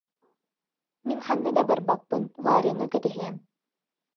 Мин ханна да барбаппын, Варяны кэтэһиэм